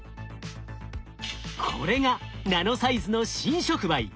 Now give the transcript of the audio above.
これがナノサイズの新触媒。